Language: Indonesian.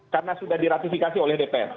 karena sudah diratifikasi oleh dpr